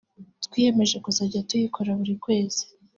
twiyemeje kuzajya tuyikora buri kwezi